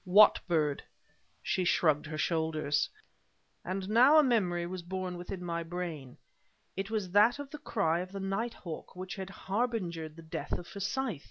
"What bird?" She shrugged her shoulders. And now a memory was born within my brain; it was that of the cry of the nighthawk which had harbingered the death of Forsyth!